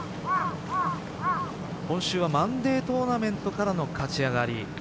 今週はマンデートーナメントからの勝ち上がり。